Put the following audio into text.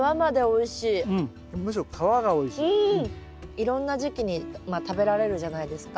いろんな時期に食べられるじゃないですか。